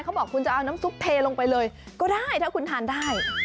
เขาบอกคุณจะเอาน้ำซุปเทลงไปเลยก็ได้ถ้าคุณทานได้